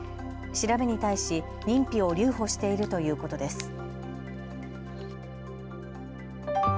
調べに対し認否を留保しているということです。